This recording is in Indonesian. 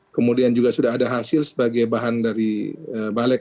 kemudian juga sudah ada hasil sebagai bahan dari balik